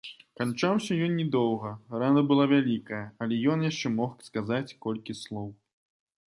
Канчаўся ён не доўга, рана была вялікая, але ён яшчэ мог сказаць колькі слоў.